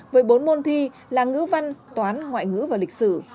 với bốn môn thi là ngữ văn toán ngoại ngữ và lịch sử